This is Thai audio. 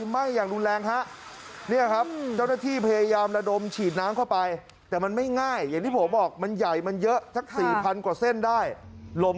ไม่ได้ลมก็แรงเห็นไหม